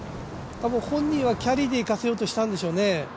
本人はキャリーでいかせようとしたんでしょうね。